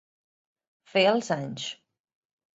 Fer els anys.